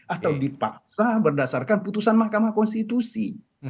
atau dipaksa berdasarkan putusan mahkamah konstitusi